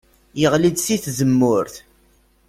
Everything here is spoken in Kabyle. Yeɣli-d si tzemmurt.